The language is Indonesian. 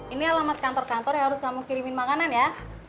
ini alamat kantor kantor yang harus kamu kirimin makanan ya